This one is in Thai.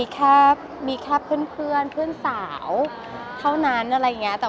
เด็ดขึ้นมาถึงเลยค่ะ